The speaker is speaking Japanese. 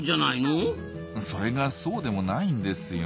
それがそうでもないんですよ。